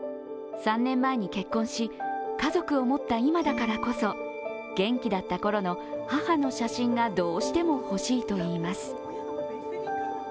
３年前に結婚し、家族を持った今だからこそ、元気だったころの母の写真がどうしても欲しいといいます。